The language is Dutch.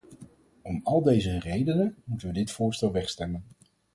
Om al deze redenen moeten we dit voorstel wegstemmen.